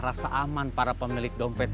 rasa aman para pemilik dompet